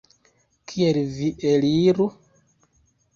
Kiel vi eliru?